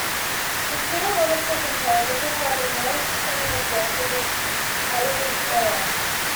Computer monitors and televisions are the most common examples of additive color.